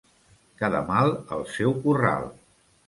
Cada mal al seu corral.